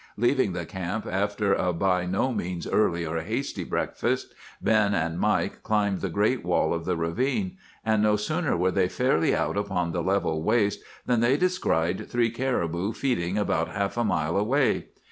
Leaving the camp after a by no means early or hasty breakfast, Ben and Mike climbed the great wall of the ravine; and no sooner were they fairly out upon the level waste than they descried three caribou feeding about half a mile away.